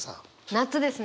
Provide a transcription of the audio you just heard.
夏ですね。